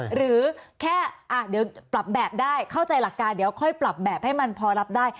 หรือแค่เดี๋ยวปรับแบบได้เข้าใจหลักการเดี๋ยวค่อยปรับแบบให้มันพอรับได้